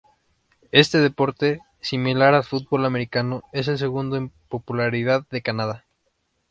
Este deporte, similar al fútbol americano, es el segundo en popularidad de Canadá.